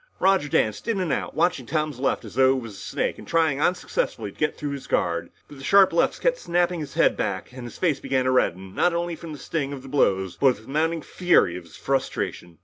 Roger danced in and out, watching Tom's left as though it was a snake and trying unsuccessfully to get through his guard. But the sharp lefts kept snapping his head back and his face began to redden, not only from the sting of the blows but with the mounting fury of his frustration.